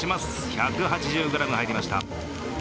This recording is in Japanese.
１８０ｇ入りました。